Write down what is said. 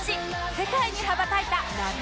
世界に羽ばたいたラブ！！